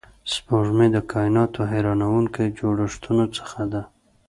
سپوږمۍ د کایناتو د حیرانونکو جوړښتونو څخه ده